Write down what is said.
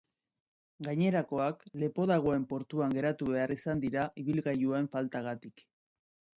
Gainerakoak lepo dagoen portuan geratu behar izan dira ibilgailuen faltagatik.